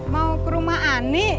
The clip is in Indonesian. mau ke rumah ani